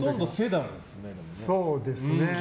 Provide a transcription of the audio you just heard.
そうですね。